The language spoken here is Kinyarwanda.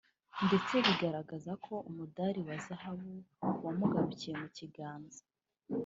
ndetse bigaragara ko umudari wa zahabu wamugarukiye mu kigaza